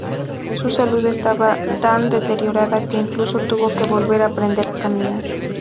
Su salud estaba tan deteriorada, que incluso tuvo que volver a aprender a caminar.